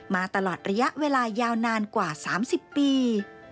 มาตลอดระยะเวลายาวนานกว่า๓๐ปี